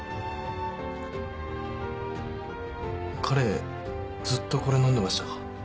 彼ずっとこれ飲んでましたか？